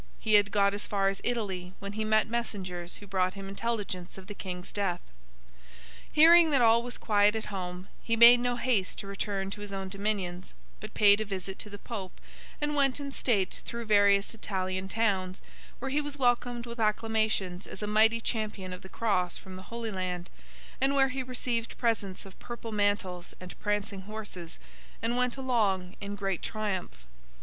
He had got as far as Italy, when he met messengers who brought him intelligence of the King's death. Hearing that all was quiet at home, he made no haste to return to his own dominions, but paid a visit to the Pope, and went in state through various Italian Towns, where he was welcomed with acclamations as a mighty champion of the Cross from the Holy Land, and where he received presents of purple mantles and prancing horses, and went along in great triumph.